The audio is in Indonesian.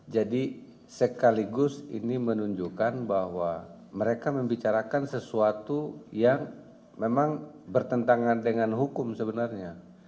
jadi sekaligus ini menunjukkan bahwa mereka membicarakan sesuatu yang memang bertentangan dengan hukum sebenarnya